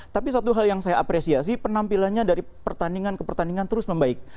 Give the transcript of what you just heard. tapi satu hal yang saya apresiasi penampilannya dari pertandingan ke pertandingan terus membaik